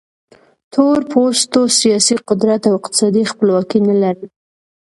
تور پوستو سیاسي قدرت او اقتصادي خپلواکي نه لرل.